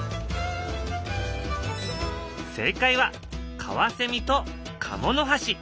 正解はカワセミとカモノハシ。